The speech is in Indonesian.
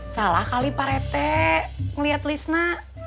salah kali pak rete ngeliat lisna